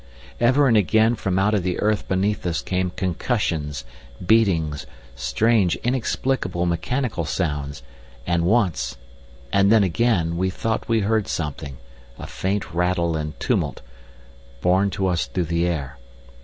Ever and again from out of the earth beneath us came concussions, beatings, strange, inexplicable, mechanical sounds; and once, and then again, we thought we heard something, a faint rattle and tumult, borne to us through the air.